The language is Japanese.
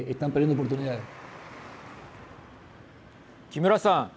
木村さん。